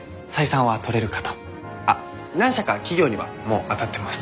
あっ何社か企業にはもう当たってます。